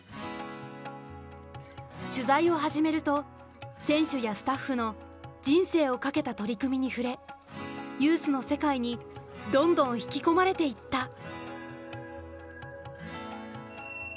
取材を始めると選手やスタッフの人生を懸けた取り組みに触れユースの世界にどんどん引き込まれていった。